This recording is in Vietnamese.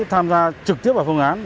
tham gia trực tiếp vào phương án